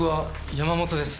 山本です。